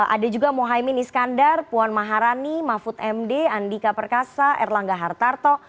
ada juga mohaimin iskandar puan maharani mahfud md andika perkasa erlangga hartarto